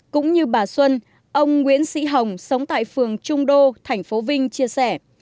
cũng như bà xuân ông nguyễn sĩ hồng sống tại phường trung đô thành phố vinh chia sẻ